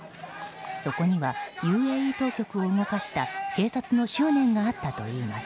そこにはＵＡＥ当局を動かした警察の執念があったといいます。